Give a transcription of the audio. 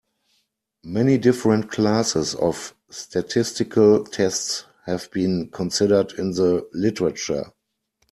Many different classes of statistical tests have been considered in the literature.